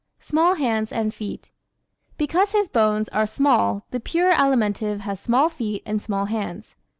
Small Hands and Feet ¶ Because his bones are small the pure Alimentive has small feet and small hands.